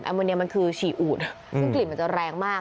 วันนี้มันคือฉี่อูดซึ่งกลิ่นมันจะแรงมาก